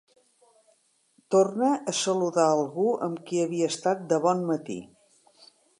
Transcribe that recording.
Torna a saludar algú amb qui havia estat de bon matí.